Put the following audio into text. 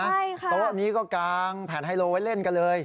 ใช่ค่ะโต๊ะนี้ก็กางแผ่นไฮโลไว้เล่นกันเลย